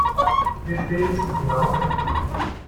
Wie spät ist es genau?